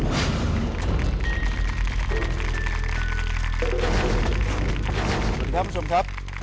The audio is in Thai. สวัสดีครับคุณผู้ชมครับ